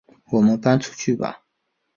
我们搬出去吧